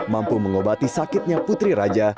mampu mengobati sakitnya putri raja